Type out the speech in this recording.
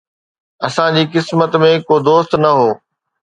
اسان جي قسمت ۾ ڪو دوست نه هو